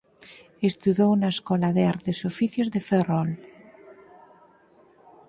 Estudou na Escola de Artes e Oficios de Ferrol.